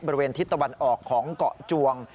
บริเวณทิศตะวันออกของเกาะจวง